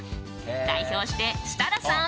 代表して、設楽さん